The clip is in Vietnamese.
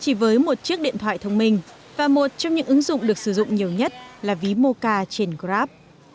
chỉ với một chiếc điện thoại thông minh và một trong những ứng dụng được sử dụng nhiều nhất là ví moca trên grab